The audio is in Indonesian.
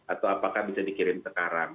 atau apakah bisa dikirim sekarang